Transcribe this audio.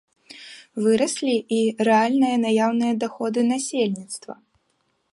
Выраслі і рэальныя наяўныя даходы насельніцтва.